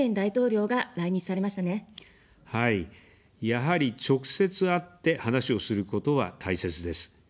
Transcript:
やはり、直接会って話をすることは大切です。